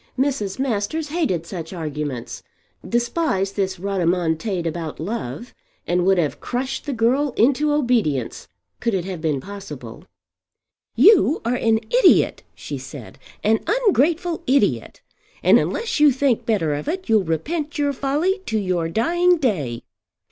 Mrs. Masters hated such arguments, despised this rodomontade about love, and would have crushed the girl into obedience could it have been possible. "You are an idiot," she said, "an ungrateful idiot; and unless you think better of it you'll repent your folly to your dying day.